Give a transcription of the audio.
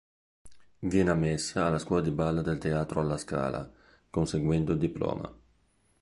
Viene ammessa alla Scuola di Ballo del Teatro alla Scala conseguendo il Diploma.